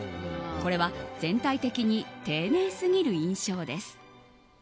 これは全体的に丁寧すぎる印象です。